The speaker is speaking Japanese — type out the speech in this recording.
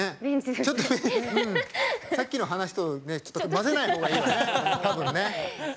ちょっとさっきの話とちょっと混ぜないほうがいいわね。